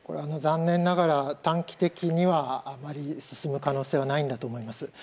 残念ながら短期的にはあまり、進む可能性はないんだと思います。